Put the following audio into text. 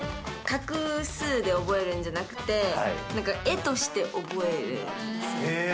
画数で覚えるんじゃなくて、なんか絵として覚えるんです。